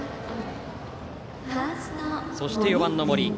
そして４番、森。